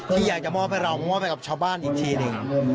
ที่อยากจะมอบให้เรามอบให้กับชาวบ้านอีกทีหนึ่ง